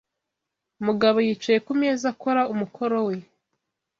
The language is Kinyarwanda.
Mugabo yicaye ku meza akora umukoro we.